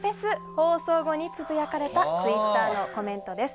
放送後につぶやかれたツイッターのコメントです。